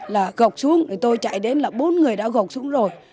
là gọc xuống tôi chạy đến là bốn người đã gọc xuống rồi